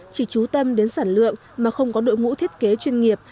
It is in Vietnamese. chỉ trú tâm đến sản lượng mà không có đội ngũ thiết kế chuyên nghiệp